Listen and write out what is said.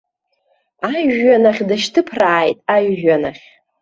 Ажәҩан ахь дышьҭыԥрааит, ажәҩан ахь!